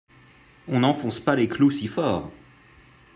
on n'enfonce pas les clous si fort.